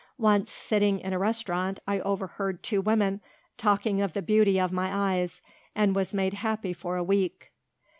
Once, sitting in a restaurant, I overheard two women talking of the beauty of my eyes and was made happy for a week."